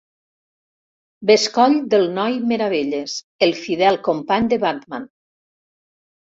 Bescoll del Noi Meravelles, el fidel company de Batman.